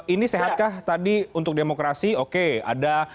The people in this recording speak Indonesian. ini sehatkah tadi untuk demokrasi oke ada